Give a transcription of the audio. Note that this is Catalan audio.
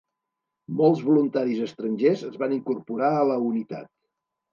Molts voluntaris estrangers es van incorporar a la unitat.